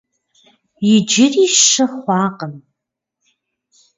Иджыри щы хъуакъым.